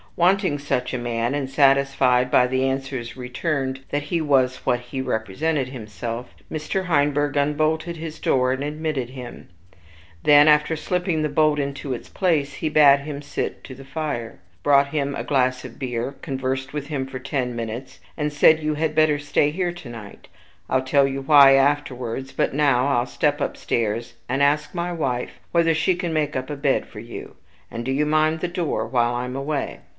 Wanting such a man, and satisfied by the answers returned that he was what he represented himself, Mr. Heinberg unbolted his door and admitted him. Then, after slipping the bolt into its place, he bade him sit to the fire, brought him a glass of beer, conversed with him for ten minutes, and said: "You had better stay here to night; I'll tell you why afterwards; but now I'll step upstairs, and ask my wife whether she can make up a bed for you; and do you mind the door while I'm away."